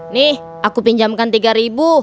nih aku pinjamkan tiga ribu